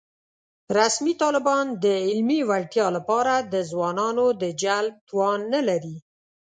رسمي طالبان د علمي وړتیا له پاره د ځوانانو د جلب توان نه لري